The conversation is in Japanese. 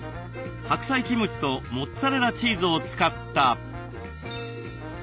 白菜キムチとモッツァレラチーズを使った豆腐チヂミ。